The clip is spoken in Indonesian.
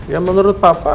ya menurut papa